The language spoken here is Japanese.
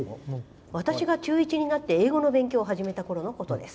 私が中１になって英語の勉強を始めたころのことです。